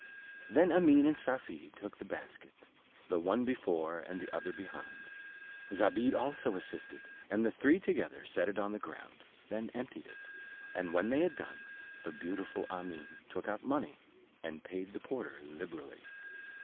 Then Amene and Safie took the basket, the one before and the other behind; Zobeide also assisted, and all three together set it on the ground; then emptied it; and when they had done, the beautiful Amene took out money, and paid the porter liberally.